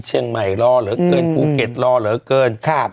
เชียงใหม่รอเหลือเกินภูเก็ตรอเหลือเกินครับ